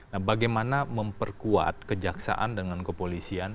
nah bagaimana memperkuat kejaksaan dengan kepolisian